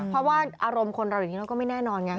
เพราะว่าอารมณ์คนเราอย่างนี้เราก็ไม่แน่นอนไง